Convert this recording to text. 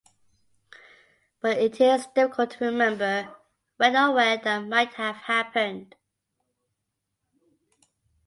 But it is difficult to remember when or where that might have happened.